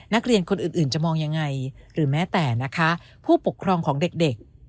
นักเรียนคนอื่นจะมองยังไงหรือแม้แต่นะคะผู้ปกครองของเด็ก